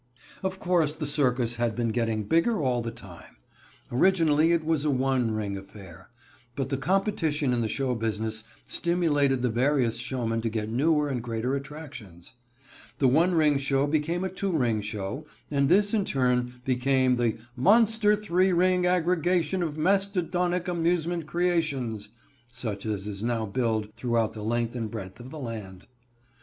Of course the circus had been getting bigger all the time. Originally it was a one ring affair. But the competition in the show business stimulated the various showmen to get new and greater attractions. The one ring show became a two ring show, and this in turn became the "monster three ring aggregation of mastodonic amusement creations," such as is now billed throughout the length and breadth of the land.